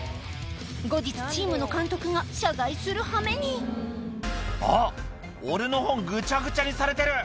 後日チームの監督が謝罪するはめに「あっ俺の本ぐちゃぐちゃにされてる！」